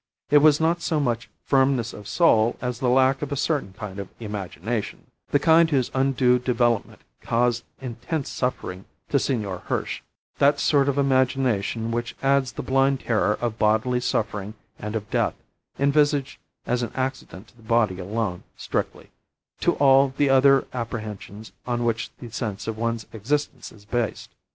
It was not so much firmness of soul as the lack of a certain kind of imagination the kind whose undue development caused intense suffering to Senor Hirsch; that sort of imagination which adds the blind terror of bodily suffering and of death, envisaged as an accident to the body alone, strictly to all the other apprehensions on which the sense of one's existence is based.